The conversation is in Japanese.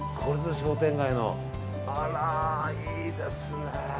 あら、いいですね。